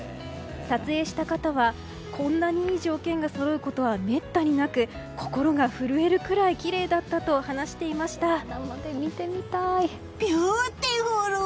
撮影した方はこんなにいい条件がそろうことはめったになく心が震えるくらいきれいだったとビューティフル！